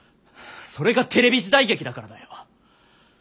それがテレビ時代劇だからだよ。